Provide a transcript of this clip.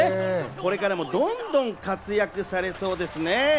これからもどんどん活用されそうですね。